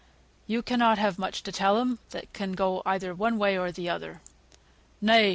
Yo cannot have much to tell 'em, that can go either one way or th' other. Nay!